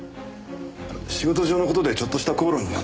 仕事上の事でちょっとした口論になって。